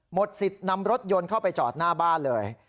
สิทธิ์นำรถยนต์เข้าไปจอดหน้าบ้านเลย